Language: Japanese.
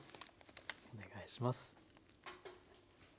お願いします。